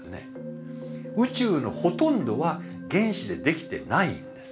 宇宙のほとんどは原子でできてないんです。